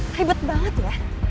hebat banget ya